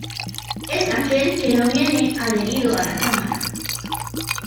Es aquel que no viene adherido a la cámara.